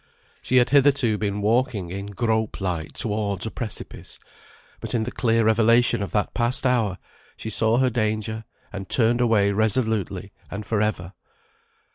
She had hitherto been walking in grope light towards a precipice; but in the clear revelation of that past hour, she saw her danger, and turned away resolutely and for ever.